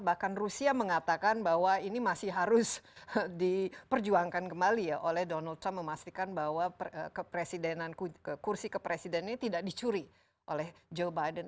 bahkan rusia mengatakan bahwa ini masih harus diperjuangkan kembali ya oleh donald trump memastikan bahwa kursi kepresiden ini tidak dicuri oleh joe biden